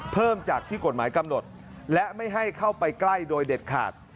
เพิ่มจากที่กฎหมายกำหนดและไม่ให้เข้าไปใกล้โดยเด็ดขาด